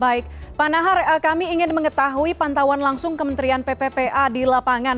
baik pak nahar kami ingin mengetahui pantauan langsung kementerian pppa di lapangan